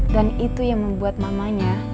dan itu yang membuat mamanya